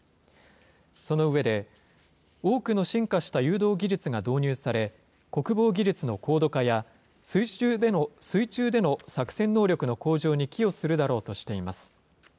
その上で、多くの進化した誘導技術が導入され、国防技術の高度化や、水中での作戦能力の向上に寄与するだろうとしています。